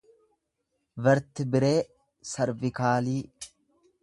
vertibiree servikaalii